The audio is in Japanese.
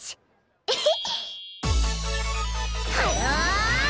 エヘッ。